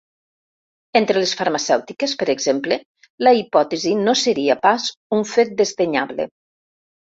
Entre les farmacèutiques, per exemple, la hipòtesi no seria pas un fet desdenyable.